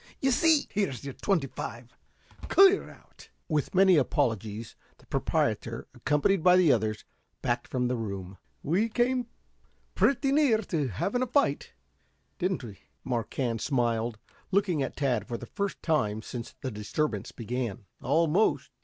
You see " "Here's your twenty five. Clear out!" With many apologies the proprietor, accompanied by the others, backed from the room. "We came pretty near having a fight, didn't we?" Marquand smiled, looking at Tad for the first time since the disturbance began. "Almost."